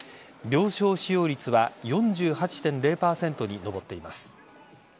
病床使用率は４８．０％に上っています。